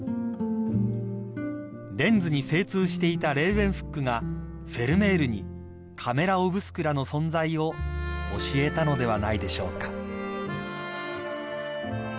［レンズに精通していたレーウェンフックがフェルメールにカメラ・オブスクラの存在を教えたのではないでしょうか］